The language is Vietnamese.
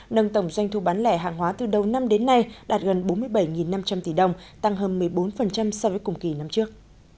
nâng tổng doanh thu bán lẻ hàng hóa từ đầu năm đến nay đạt gần bốn mươi bảy năm trăm linh tỷ đồng tăng hơn một mươi bốn so với cùng kỳ năm trước